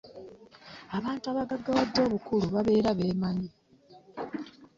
abantu abagaggawadde obukulu babeera beemanyi.